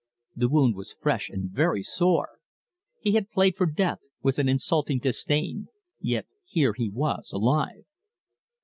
The wound was fresh and very sore. He had played for death, with an insulting disdain, yet here he was alive.